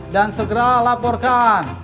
dan segera laporkan